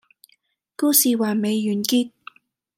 故事還未完結